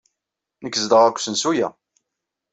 Nekk zedɣeɣ deg usensu-a.